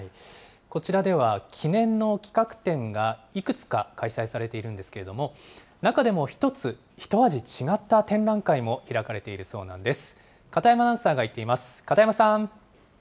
こちらでは、記念の企画展がいくつか開催されているんですけれども、中でも一つ、一味違った展覧会も開かれているそうなんです。